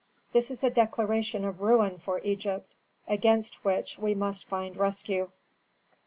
"This is a declaration of ruin for Egypt, against which we must find rescue.